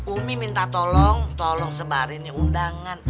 umi minta tolong tolong sebarin nih undangan